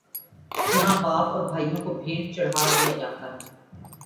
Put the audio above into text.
جہاں باپ اور بھائیوں کو بھینٹ چڑھا دیا جاتا ہے۔